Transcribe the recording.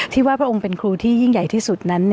ว่าพระองค์เป็นครูที่ยิ่งใหญ่ที่สุดนั้น